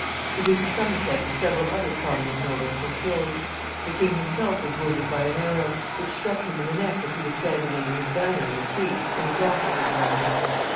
The Duke of Somerset and several other prominent nobles were killed. The king himself was wounded by an arrow, which struck him in the neck as he was standing under his banner in the street with his officers around him.